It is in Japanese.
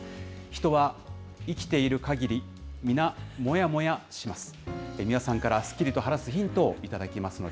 人は生きているかぎり、皆モヤモヤします。